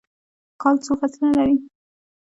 کال څو فصلونه لري؟